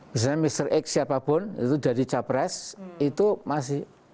misalnya mr x siapapun itu jadi capres itu masih